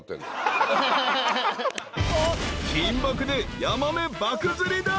［金爆でヤマメ爆釣りだ］